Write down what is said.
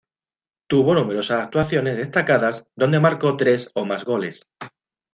Tuvo numerosas actuaciones destacadas, donde marcó tres o más goles.